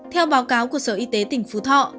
theo báo cáo của sở y tế tỉnh phú thọ